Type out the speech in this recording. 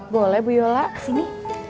boleh bu yola kesini